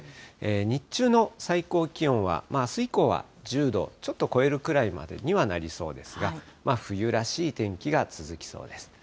日中の最高気温はあす以降は１０度をちょっと超えるくらいまでにはなりそうですが、冬らしい天気が続きそうです。